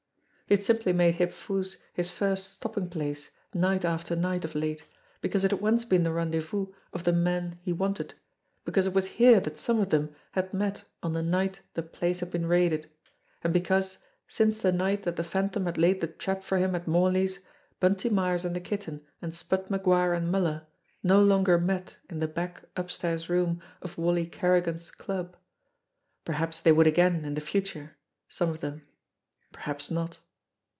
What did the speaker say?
He had simply made Hip Foo's his first stopping place night after night of late because it had once been the rendezvous of the men he wanted, because it was here that some of them had met on the night the place had been raided, and because, since the night that the Phantom had laid the trap for him at Morley's, Bunty Myers and the Kitten and Spud MacGuire and Muller no longer met in the back, upstairs room of Wally Kerrigan's "club." Per haps they would again in the future some of them perhaps not!